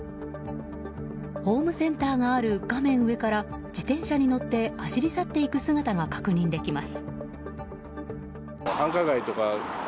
ホームセンターがある画面上から自転車に乗って走り去っていく姿が確認できます。